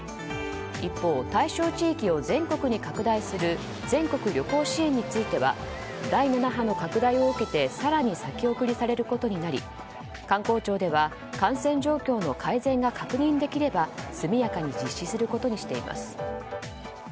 一方、対象地域を全国に拡大する全国旅行支援については第７波の拡大を受けて更に先送りされることになり観光庁では感染状況の改善が確認できれば速やかに実施することにしています。